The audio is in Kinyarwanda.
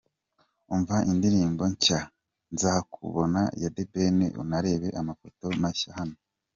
Umva indirimbo nshya Nzakubona ya The Ben unarebe amafoto ye mashya hano :.